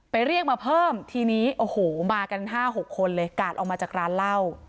เรียกมาเพิ่มทีนี้โอ้โหมากัน๕๖คนเลยกาดออกมาจากร้านเหล้า